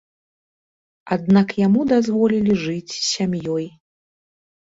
Аднак яму дазволілі жыць з сям'ёй.